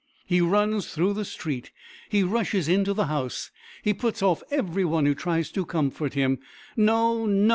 He runs through the street; he rushes into the house; he puts off every one who tries to comfort him. "No, no!